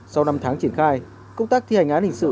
sau năm tháng triển khai công tác thi hành án hình sự